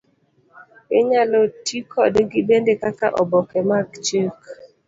Inyalo ti kodgi bende kaka oboke mag chik.